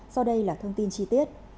sau đây là thông tin chi tiết